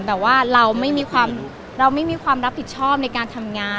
แต่ว่าเราไม่มีความรับผิดชอบในการทำงาน